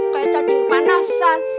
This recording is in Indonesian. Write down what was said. kayak cacing kepanasan